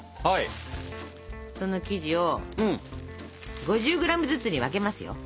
その生地を５０ｇずつに分けますよ。